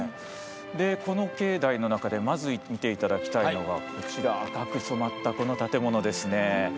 この境内の中で、まず見ていただきたいのは赤く染まった、この建物です。